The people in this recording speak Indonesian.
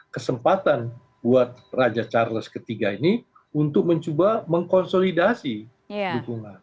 kesempatan buat raja charles iii ini untuk mencoba mengkonsolidasi dukungan